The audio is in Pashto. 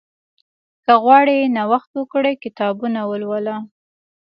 که غواړې نوښت وکړې، کتابونه ولوله.